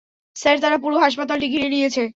Sir, তারা পুরো হাসপাতালটি ঘিরে নিয়েছে।